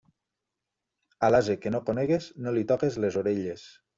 A l'ase que no conegues, no li toques les orelles.